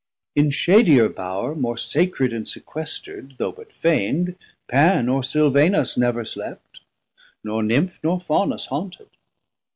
In shadier Bower More sacred and sequesterd, though but feignd, Pan or Silvanus never slept, nor Nymph, Nor Faunus haunted.